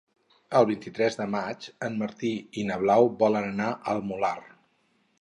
El vint-i-tres de maig en Martí i na Blau volen anar al Molar.